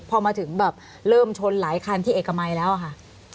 พอมาถึงแบบเริ่มชนหลายคันที่เอกมัยแล้วอะค่ะ